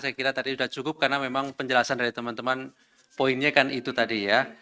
saya kira tadi sudah cukup karena memang penjelasan dari teman teman poinnya kan itu tadi ya